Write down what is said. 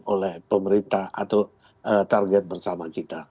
oleh pemerintah atau target bersama kita